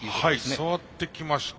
はい触ってきました。